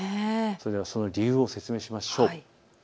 その理由を説明しましょう。